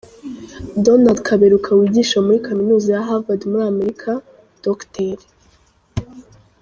Donald Kaberuka wigisha muri Kaminuza ya Havard muri Amerika, Dr.